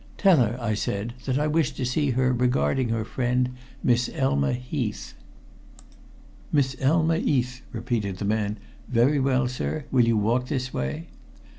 "Tell her," I said, "that I wish to see her regarding her friend, Miss Elma Heath." "Miss Elma 'Eath," repeated the man. "Very well, sir. Will you walk this way?"